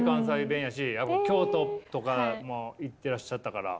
京都とかも行ってらっしゃったから。